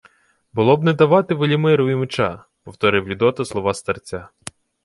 — «Було б не давати Велімирові меча!» — повторив Людота слова старця.